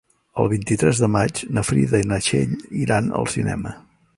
El vint-i-tres de maig na Frida i na Txell iran al cinema.